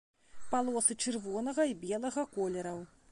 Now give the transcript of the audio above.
Палосы чырвонага і белага колераў.